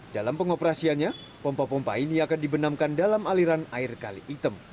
dalam pengoperasiannya pompa pompa ini akan dibenamkan dalam aliran air kali item